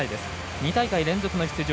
２大会連続の出場。